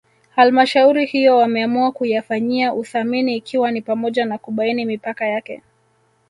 Halmshauri hiyo wameamua kuyafanyia uthamini ikiwa ni pamoja na kubaini mipaka yake